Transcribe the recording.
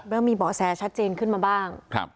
เริ่มมีบ่อแซชัดเจนขึ้นมาบ้างครับ